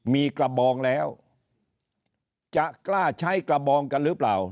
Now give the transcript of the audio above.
มีกระบองแล้วจะกล้าใช้กระบองกันหรือเปล่า